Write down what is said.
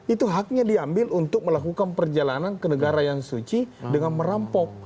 itu haknya diambil untuk melakukan perjalanan ke negara yang suci dengan merampok